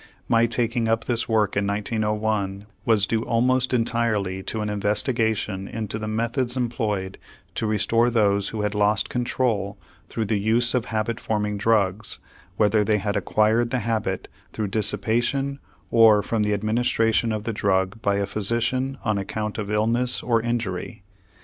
My taking up this work in 1901 was due almost entirely to an investigation into the methods employed to restore those who had lost control through the use of habit forming drugs, whether they had acquired the habit through dissipation or from the administration of the drug by a physician on account of illness or injury.